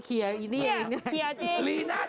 ลีน่าจังลีน่าจังลีน่าจังลีน่าจังลีน่าจัง